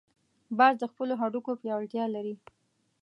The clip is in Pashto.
باز د خپلو هډوکو پیاوړتیا لري